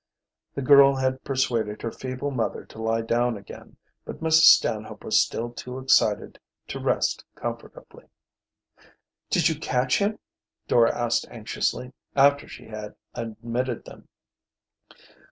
The girl had persuaded her feeble mother to lie down again, but Mrs. Stanhope was still too excited to rest comfortably. "Did you catch him?" Dora asked anxiously, after she had admitted them.